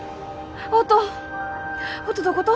音音どこと？